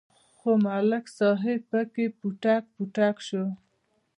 خو ملک صاحب پکې پټک پټک شو.